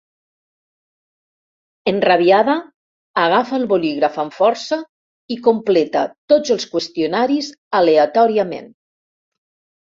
Enrabiada, agafa el bolígraf amb força i completa tots els qüestionaris aleatòriament.